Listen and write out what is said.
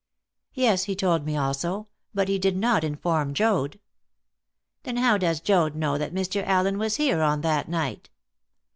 "Yes, he told me also; but he did not inform Joad." "Then how does Joad know that Mr. Allen was here on that night?"